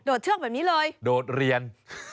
โดดเชือกเหมือนนี้เลยโดดเลียน